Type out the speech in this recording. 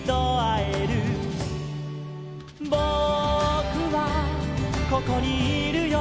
「ぼくはここにいるよ」